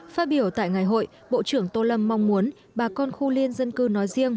phát biểu tại ngày hội bộ trưởng tô lâm mong muốn bà con khu liên dân cư nói riêng